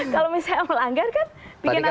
kalau misalnya melanggar kan bikin aturan baru